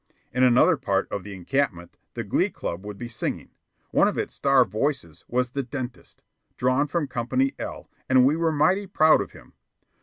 In another part of the encampment the glee club would be singing one of its star voices was the "Dentist," drawn from Company L, and we were mighty proud of him.